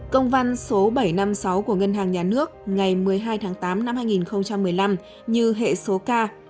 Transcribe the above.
công văn số bảy trăm năm mươi sáu của ngân hàng nhà nước ngày một mươi hai tháng tám năm hai nghìn một mươi năm như hệ số k